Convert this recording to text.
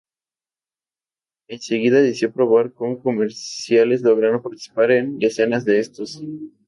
En seguida decidió probar con comerciales logrando participar en decenas de estos.